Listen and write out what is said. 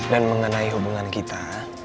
dan mengenai hubungan kita